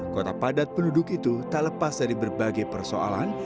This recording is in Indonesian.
kota padat penduduk itu tak lepas dari berbagai persoalan